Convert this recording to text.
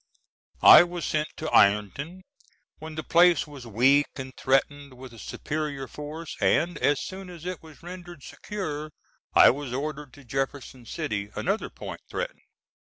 I was sent to Ironton when the place was weak and threatened with a superior force, and as soon as it was rendered secure I was ordered to Jefferson City, another point threatened.